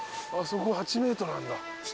あそこ８ｍあるんだ。